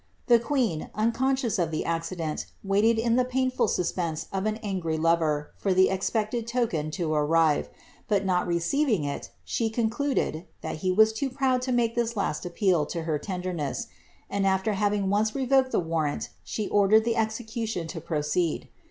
The queen, unconscious of the accident, waited the painful suspense of an angry lover for the expected token to ar 9 ; but not receiving it, she concluded, that he was too proud to make 1 last appeal to her tenderness, and after having once revoked the war t, she ordered the execution to proceed.